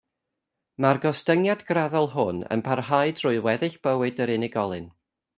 Mae'r gostyngiad graddol hwn yn parhau trwy weddill bywyd yr unigolyn.